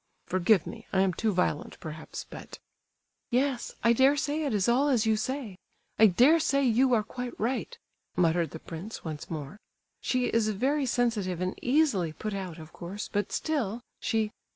Forgive me, I am too violent, perhaps, but—" "Yes—I dare say it is all as you say; I dare say you are quite right," muttered the prince once more. "She is very sensitive and easily put out, of course; but still, she..."